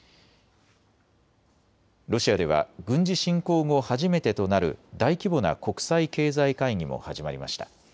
ロシアでは軍事侵攻後初めてとなる大規模な国際経済会議も始まりました。